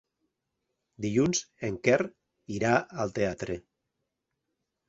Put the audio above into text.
Dilluns en Quer irà al teatre.